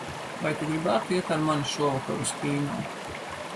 Vai tu gribētu iet ar mani šovakar uz kino?